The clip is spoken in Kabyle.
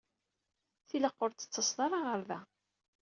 Tilaq ur d-tettaseḍ ara ɣer da.